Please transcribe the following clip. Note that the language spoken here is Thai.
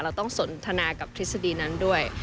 ต้องสนทนากับทฤษฎีนั้นด้วย